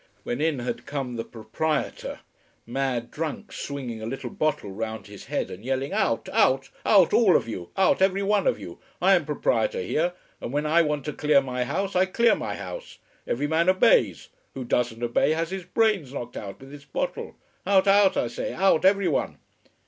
When in had come the proprietor, mad drunk, swinging a litre bottle round his head and yelling: "Out! Out! Out, all of you! Out every one of you! I am proprietor here. And when I want to clear my house I clear my house. Every man obeys who doesn't obey has his brains knocked out with this bottle. Out, out, I say Out, everyone!"